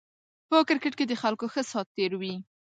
په کرکېټ کې د خلکو ښه سات تېر وي